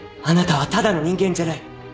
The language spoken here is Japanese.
あなたはただの人間じゃない。